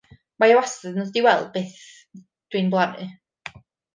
Mae o wastad yn dod i weld beth dw i'n plannu.